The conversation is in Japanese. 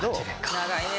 長いね。